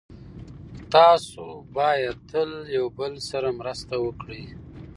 تاسو باید تل یو بل سره مرسته وکړئ.